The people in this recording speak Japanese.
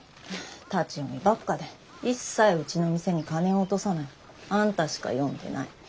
立ち読みばっかで一切うちの店に金を落とさないあんたしか読んでない。